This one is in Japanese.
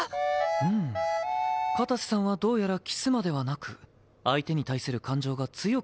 うん片瀬さんはどうやらキス魔ではなく相手に対する感情が強く出てしまうようだね。